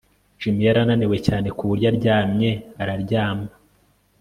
Jim yari ananiwe cyane ku buryo aryamye araryama